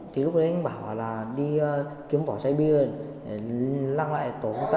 thì lúc đấy anh bảo là đi kiếm bỏ chạy